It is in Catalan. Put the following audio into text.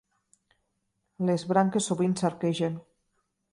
Les branques sovint s'arquegen.